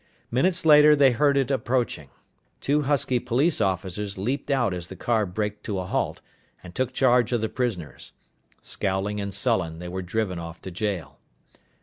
Minutes later, they heard it approaching. Two husky police officers leaped out as the car braked to a halt, and took charge of the prisoners. Scowling and sullen, they were driven off to jail.